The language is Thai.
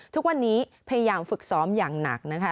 ทุกวันนี้พยายามฝึกซ้อมอย่างหนักนะคะ